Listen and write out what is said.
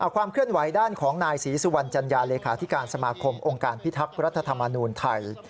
ความเคลื่อนไหวด้านของนายศรีสุวรรณจัญญาเลขาธิการสมาคมองค์การพิทักษ์รัฐธรรมนูลไทย